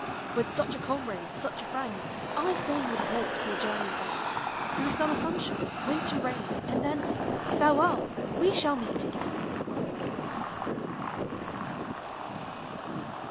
With such a comrade, such a friend, 1 fain would walk till journeys end, Through summer sunshine, winter rain, And then? — Farewell, we shall meet again!